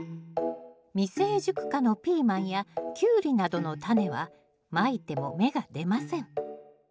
未成熟果のピーマンやキュウリなどのタネはまいても芽が出ません。